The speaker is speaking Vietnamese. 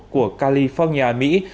của california mỹ